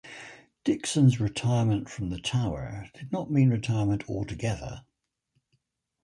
Dixon's retirement from the Tower did not mean retirement altogether.